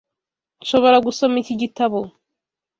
Ntashobora gusoma iki gitabo.